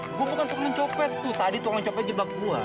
gue bukan tukang copet tuh tadi tukang copet jebak gue